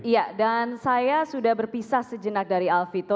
iya dan saya sudah berpisah sejenak dari alfito